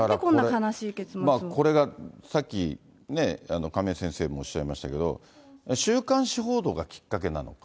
これがさっきね、亀井先生もおっしゃいましたけど、週刊誌報道がきっかけなのか。